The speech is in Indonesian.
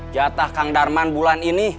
jatah kang darman bulan ini